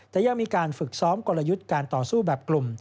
แต่ยังมีการฝึกซ้อมกลยุทธ์การต่อสู้แบบกลุ่ม